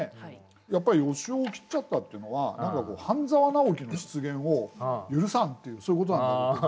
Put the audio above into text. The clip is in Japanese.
やっぱり善男を切っちゃったっていうのは半沢直樹の出現を許さんっていうそういう事なんだと思う。